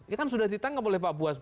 ya kan sudah ditangkap oleh pak buas